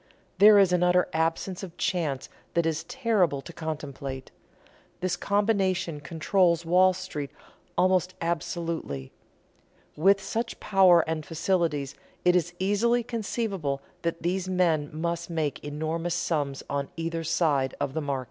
There is an utter absence of chance that is terrible to contemplate. This combination controls Wall Street almost absolutely. With such power and facilities it is easily conceivable that these men must make enormous sums on either side of the market."